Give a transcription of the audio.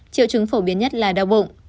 triệu trứng phổ biến nhất là đau bụng